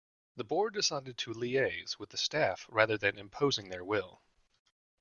The board decided to liaise with the staff rather than imposing their will.